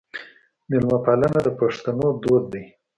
میلمه پالنه د پښتنو دود دی.